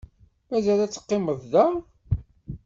Mazal ad teqqimeḍ da?